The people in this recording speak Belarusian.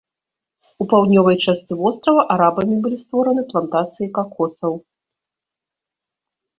У паўднёвай частцы вострава арабамі былі створаны плантацыі какосаў.